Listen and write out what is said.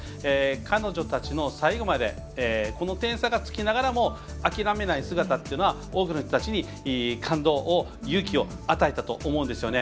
彼女たちの最後までこの点差がつきながらも諦めない姿っていうのは多くの人たちに感動勇気を与えたと思うんですね。